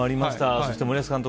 そして森保監督